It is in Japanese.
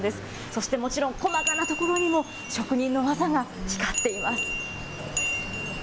そしてもちろん、細かなところにも職人の技が光っています。